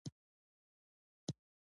پسه د افغانستان د ښکلي طبیعت یوه برخه ده.